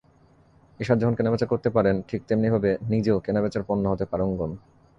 এরশাদ যেমন কেনাবেচা করতে পারেন, ঠিক তেমনিভাবে নিজেও কেনাবেচার পণ্য হতে পারঙ্গম।